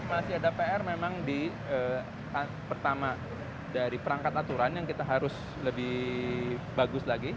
jadi ada pr memang di pertama dari perangkat aturan yang kita harus lebih bagus lagi